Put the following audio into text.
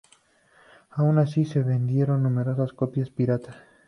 Aun así, se vendieron numerosas copias pirata.